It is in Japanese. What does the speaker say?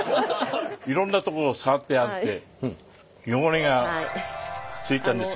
いろんなとこを触ってやって汚れがついちゃうんです。